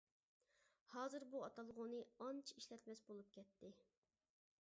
ھازىر بۇ ئاتالغۇنى ئانچە ئىشلەتمەس بولۇپ كەتتى.